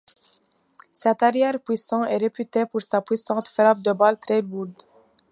Cet arrière puissant est réputé pour sa puissante frappe de balle très lourde.